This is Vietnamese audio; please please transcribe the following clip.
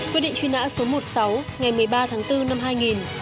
quyết định truy nã số một mươi sáu ngày một mươi ba tháng bốn năm hai nghìn